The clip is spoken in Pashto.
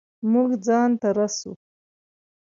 مونږ ځان ته رسو